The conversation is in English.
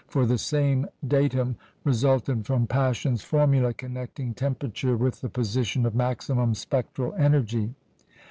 for the same datum resulted from Paschen's formula connecting temperature with the position of maximum spectral energy.